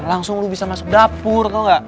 langsung lo bisa masuk dapur tau nggak